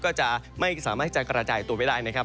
ก็จะไม่สามารถที่จะกระจายตัวไปได้นะครับ